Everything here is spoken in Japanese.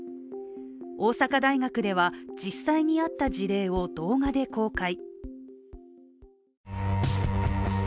大阪大学では実際にあった事例を動画で公開。